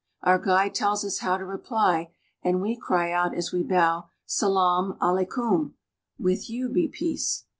Our guide tells us how to reply, and we cry out as we bow, " Salaam aleikoom," " With you be peace."